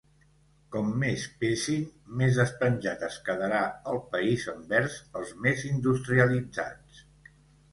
Com més pesin, més despenjat es quedarà el país envers els més industrialitzats.